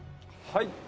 はい。